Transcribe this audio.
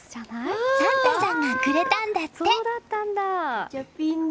サンタさんがくれたんだって。